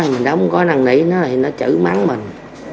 mình đã không có năng lý nữa thì nó chửi mắng mình